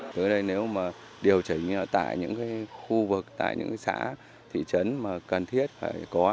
tới đây nếu mà điều chỉnh tại những khu vực tại những xã thị trấn mà cần thiết phải có